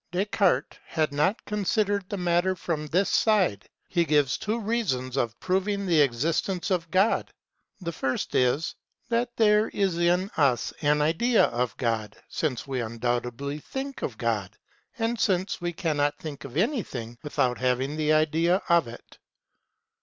Descartes had not considered the matter from this side ; he gives two ways of proving the existence of God : the first is, that there is in us an idea of God, since we undoubtedly think of God and since we cannot think of anything without having the idea of it.